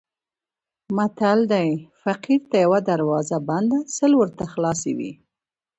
متل دی: فقیر ته یوه دروازه بنده سل ورته خلاصې وي.